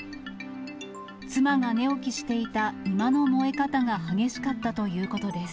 妻が寝起きしていた居間の燃え方が激しかったということです。